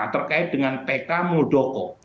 terkait dengan pk muldoko